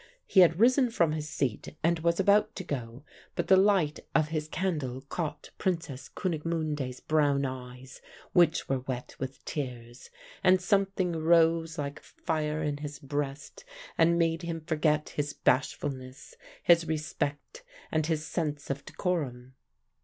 He had risen from his seat and was about to go, but the light of his candle caught Princess Kunigmunde's brown eyes (which were wet with tears), and something rose like fire in his breast and made him forget his bashfulness, his respect, and his sense of decorum.